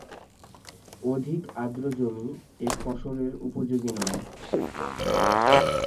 অধিক আর্দ্র জমি এ ফসলের উপযোগী নয়।